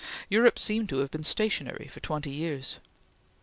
Europe seemed to have been stationary for twenty years.